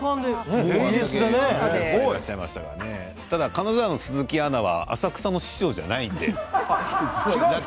ただ、金沢の鈴木アナは浅草の師匠じゃないので。